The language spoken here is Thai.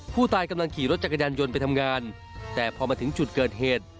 ผู้ตายกำลังขี่รถจักรยานยนต์ไปทำงานแต่พอมาถึงจุดเกิดเหตุ